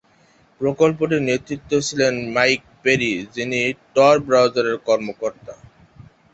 প্রকল্পটির নেতৃত্বে ছিলেন mic peri, যিনি টর ব্রাউজারের কর্মকর্তা।